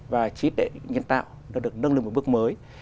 và trí tệ nhân tạo được nâng lên một bước mới